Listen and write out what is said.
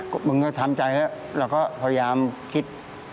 บอกว่ามึงก็ทำใจแล้วแล้วก็พยายามคิด